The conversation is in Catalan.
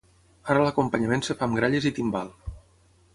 Ara l'acompanyament es fa amb gralles i timbal.